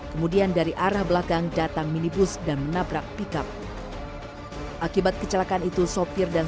kemudian dari arah belakang datang minibus dan menabrak pickup akibat kecelakaan itu sopir dan